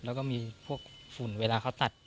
แล้วก็มีพวกฝุ่นเวลาเขาตัด